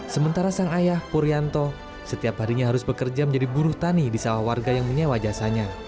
sementara sang ayah purianto setiap harinya harus bekerja menjadi buruh tani di sawah warga yang menyewa jasanya